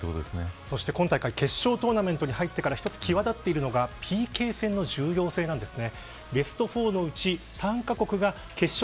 そして、今大会決勝トーナメントに入ってから一つ、際立っているのがＰＫ戦の重要性なんですね。